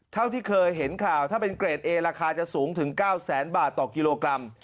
เท่าที่เคยเห็นข่าวถ้าเป็นเกรดเอราคาจะสูงถึง๙แสนบาทต่อกิโลกรัม